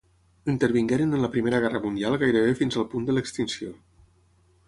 Intervingueren en la Primera Guerra Mundial gairebé fins al punt de l'extinció.